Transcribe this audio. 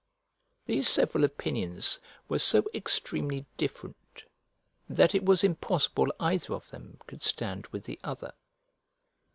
These several opinions were so extremely different that it was impossible either of them could stand with the other.